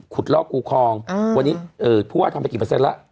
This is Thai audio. ขุดเล่ากู้คองวันนี้ผู้ว่าทำไปกี่เปอร์เซ็นต์ละ